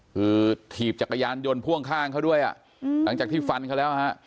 คือถีบจักรยานยนต์พ่วงข้างเขาด้วยอ่ะหลังจากที่ฟันเขาแล้วฮะ